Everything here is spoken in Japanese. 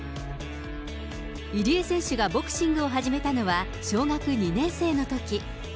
入江選手がボクシングを始めたのは小学２年生のとき。